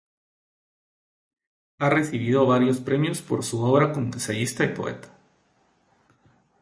Ha recibido varios premios por su obra como ensayista y poeta.